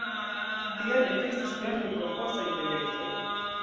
Tial ekestis planoj por postaj projektoj.